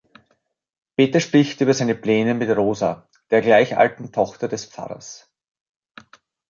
Peter spricht über seine Pläne mit Rosa, der gleich alten Tochter des Pfarrers.